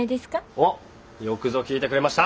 おっよくぞ聞いてくれました！